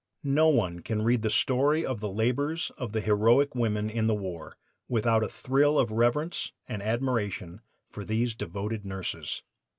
No one can read the story of the labors of the heroic women in the war without a thrill of reverence and admiration for these devoted nurses.